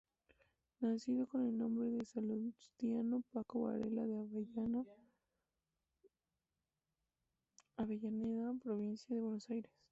Nacido con el nombre de Salustiano Paco Varela en Avellaneda, provincia de Buenos Aires.